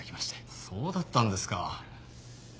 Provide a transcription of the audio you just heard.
そうだったんですか。